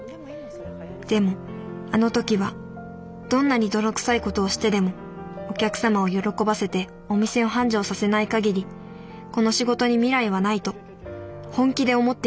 でもあの時はどんなに泥臭いことをしてでもお客様を喜ばせてお店を繁盛させない限りこの仕事に未来はないと本気で思っていました。